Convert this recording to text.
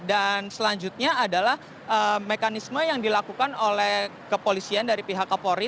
dan selanjutnya adalah mekanisme yang dilakukan oleh kepolisian dari pihak kepolri